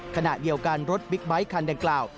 ขณะเดียวกันรถบิ๊กไบท์คันดังกล่าว